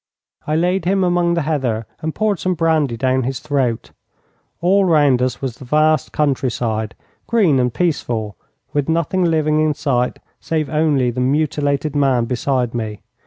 I laid him among the heather and poured some brandy down his throat. All round us was the vast countryside, green and peaceful, with nothing living in sight save only the mutilated man beside me.